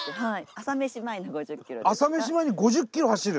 朝飯前に５０ｋｍ走る？